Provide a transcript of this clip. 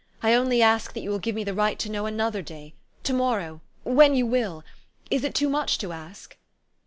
I only ask that you will give me the right to know another day to morrow when you will. Is it too much to ask?"